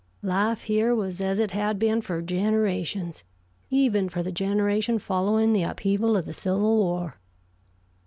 Life here was as it had been for generations, even for the generation following the upheaval of the Civil War.